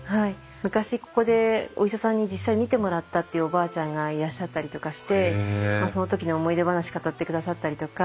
昔ここでお医者さんに実際診てもらったっていうおばあちゃんがいらっしゃったりとかしてその時の思い出話語ってくださったりとか。